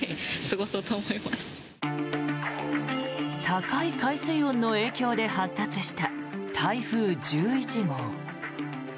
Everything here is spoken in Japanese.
高い海水温の影響で発達した台風１１号。